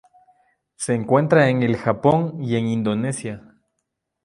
Se encuentra en el Japón y en Indonesia.